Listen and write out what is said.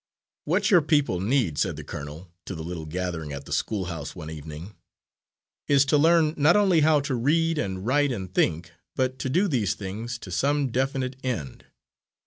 "What your people need," said the colonel to the little gathering at the schoolhouse one evening, "is to learn not only how to read and write and think, but to do these things to some definite end.